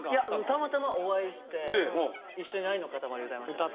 たまたまお会いして一緒に「愛のかたまり」歌いましたよね。